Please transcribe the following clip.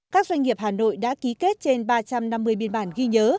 các doanh nghiệp hà nội đã ký kết trên ba trăm năm mươi biên bản ghi nhớ